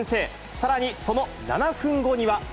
さらにその７分後には。